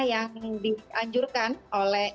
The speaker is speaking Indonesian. yang dianjurkan oleh